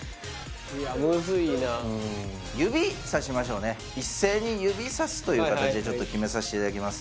ムズいな指さしましょうね一斉に指さすというかたちで決めさせていただきます